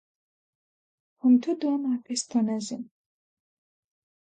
Un tu domā, ka es to nezinu?